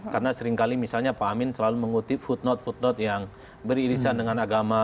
karena seringkali misalnya pak amin selalu mengutip footnote footnote yang beririsan dengan agama